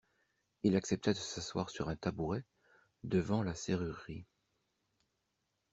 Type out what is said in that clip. Il accepta de s'asseoir sur un tabouret, devant la serrurerie.